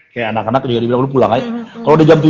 kayak anak anak dia bilang lu pulang aja kalau udah jam tujuh